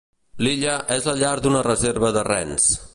L'illa és la llar d'una reserva de rens.